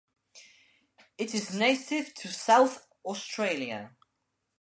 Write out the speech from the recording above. It is native to South Australia.